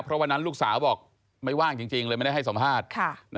เพราะวันนั้นลูกสาวบอกไม่ว่างจริงเลยไม่ได้ให้สัมภาษณ์